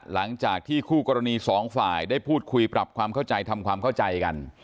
หลังจากที่คู่กรณีสองฝ่ายได้พูดคุยปรับความเข้าใจทำความเข้าใจกัน